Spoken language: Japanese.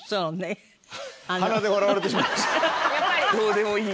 どうでもいい。